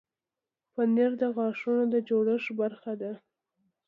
پنېر د غاښونو د جوړښت برخه ده.